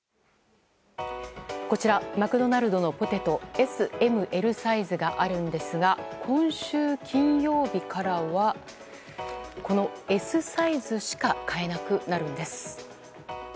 こちらマクドナルドのポテトＳ、Ｍ、Ｌサイズがあるんですが今週金曜日からはこのＳサイズしか買えなくなるんです。